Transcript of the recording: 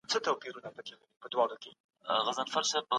که سياستپوهنه نه وي د سياست پېژندنه ستونزمنه ده.